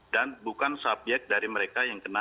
dan bukan subyek dari mereka yang kena